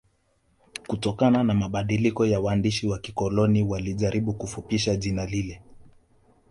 kutokana na mabadiliko ya waandishi wa kikoloni walijaribu kufupisha jina lile